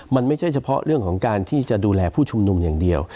มันไม่ใช่เฉพาะเรื่องของการที่จะดูแลผู้ชุมนุมอย่างเดียว